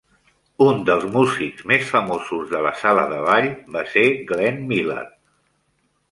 Un dels músics més famosos de la sala de ball va ser Glenn Miller.